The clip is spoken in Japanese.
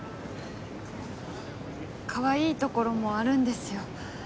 かわいいところもあるんですよ。